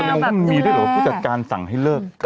กำลังมีได้หรอผู้จัดการสั่งให้เลิก